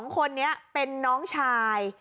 ๒คนนี้เป็นน้องชาย